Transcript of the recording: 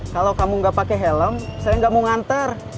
kalau kamu nggak pake helm saya nggak mau nganter